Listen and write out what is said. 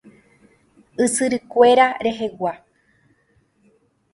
Ysyrykuéra rehegua.